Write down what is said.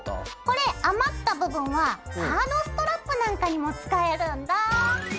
これ余った部分はカードストラップなんかにも使えるんだあ。